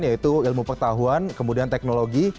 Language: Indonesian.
yaitu ilmu pengetahuan kemudian teknologi